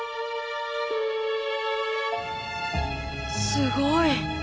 すごい。